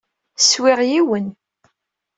Swiɣ yiwen.